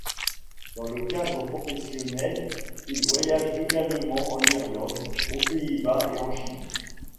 Dans le cadre professionnel, il voyage également en Irlande, aux Pays-Bas et en Chine.